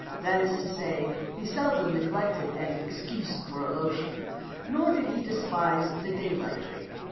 That is to say, he seldom neglected an "excuse for a lotion," nor did he despise the "daylight drink."